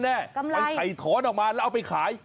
ไปถ่ายถอนออกมาแล้วเอาไปขาย